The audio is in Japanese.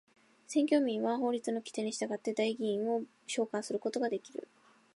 選挙民は法律の規定に従って代議員を召還することができる。